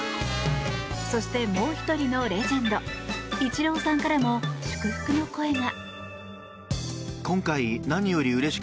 そして、もう１人のレジェンドイチローさんからも祝福の声が。